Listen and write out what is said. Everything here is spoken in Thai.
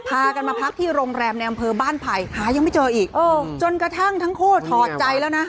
พากันมาพักที่โรงแรมในอำเภอบ้านไผ่หายังไม่เจออีกจนกระทั่งทั้งคู่ถอดใจแล้วนะ